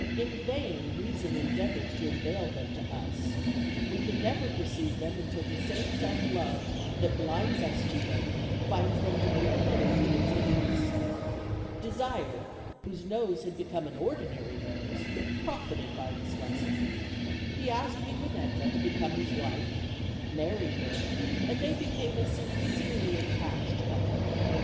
In vain reason en deavors to unveil them to us: we can never perceive them until the same self love that blinds us to them finds them to be opposed to its interests." Desire, whose nose had become an ordinary nose, prof ited by this lesson. He asked Mignonetta to become his wife; married her, and they became a sincerely attached couple.